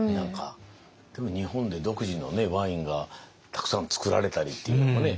日本で独自のワインがたくさんつくられたりっていうのもね